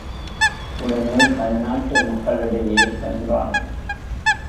உடனே தன் நாட்டு மக்களிடையே சென்றான்.